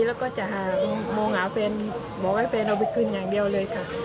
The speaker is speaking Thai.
แล้วก็จะมองหาแฟนบอกให้แฟนเอาไปคืนอย่างเดียวเลยค่ะ